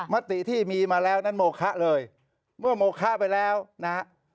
มติที่มีมาแล้วนั้นโมคะเลยเมื่อโมคะไปแล้วนะฮะ